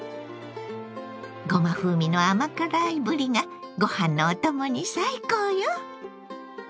ごま風味の甘辛いぶりがご飯のお供に最高よ！